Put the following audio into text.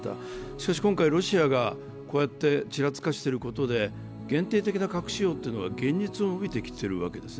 しかし今回ロシアがこうやってちらつかせていることで、限定的な核使用が現実味を帯びてきているわけです。